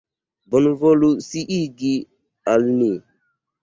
Bonvolu sciigi al ni.